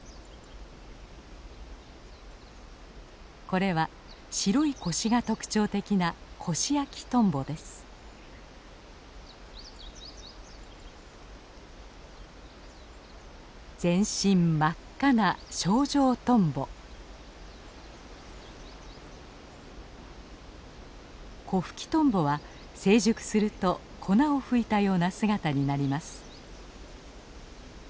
これは白い腰が特徴的な全身真っ赤なコフキトンボは成熟すると粉をふいたような姿になります。